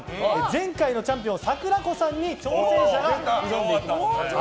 前回のチャンピオンさくらこさんに挑戦者が挑んでいきます。